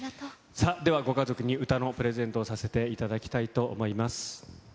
さあ、ご家族に歌のプレゼントをさせていただきたいと思います。